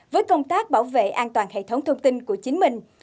với công tác bảo vệ an toàn hệ thống thông tin của chính mình